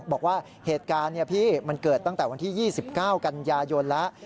บอกว่าเหตุการณ์พี่มันเกิดตั้งแต่วันที่๒๙กันยายนแล้ว